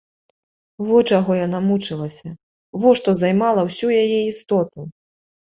Во чаго яна мучылася, во што займала ўсю яе істоту!